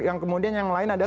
yang kemudian yang lain adalah